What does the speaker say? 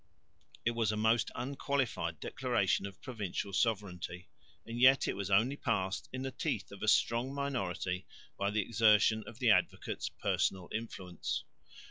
It was a most unqualified declaration of provincial sovereignty, and yet it was only passed in the teeth of a strong minority by the exertion of the Advocate's personal influence.